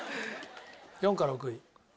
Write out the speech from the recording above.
４か６位。